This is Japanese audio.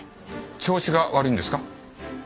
調子が悪いんですか？